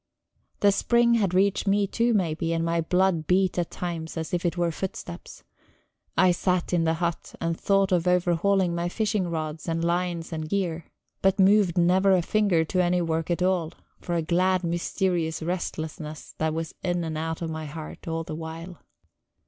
The spring had reached me too, maybe, and my blood beat at times as if it were footsteps. I sat in the hut, and thought of overhauling my fishing rods and lines and gear, but moved never a finger to any work at all, for a glad, mysterious restlessness that was in and out of my heart all the while.